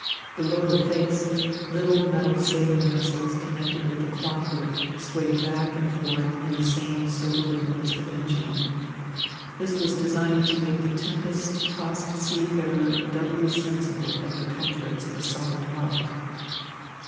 Below the face, little metal sailing vessels connected with the clockwork swayed back and forth in the same sober rhythm as the pendulum. This was designed to make the tempest tossed seafarer doubly sensible of the comforts of a solid hearth.